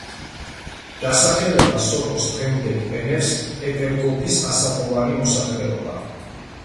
დასახელება სოკოს დღემდე იყენებს პეტერგოფის ასაკოვანი მოსახლეობა.